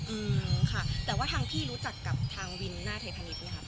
แต่ว่าทางพี่รู้จักกับทางวินหน้าไทยพะนิดเนี่ยครับ